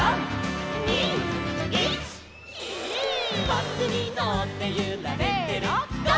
「バスにのってゆられてる」せの！